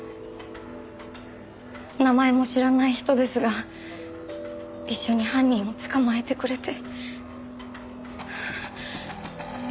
名前も知らない人ですが一緒に犯人を捕まえてくれて。